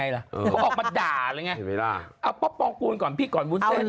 เอาปอปปองกรูนแล้วก่อนพี่ก่อนบุชเซน